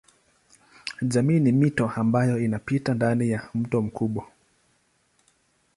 Jamii ni mito ambayo inapita ndani ya mto mkubwa.